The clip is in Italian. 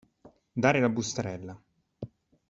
Dare la bustarella.